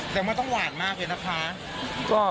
อ๋อแต่มันต้องหวานมากเนี่ยนะคะ